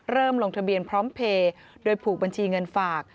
ลงทะเบียนพร้อมเพลย์โดยผูกบัญชีเงินฝาก